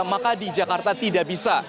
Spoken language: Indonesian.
maka di jakarta tidak bisa